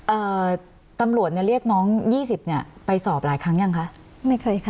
เอ่อตำรวจเนี้ยเรียกน้องยี่สิบเนี้ยไปสอบหลายครั้งยังคะไม่เคยค่ะ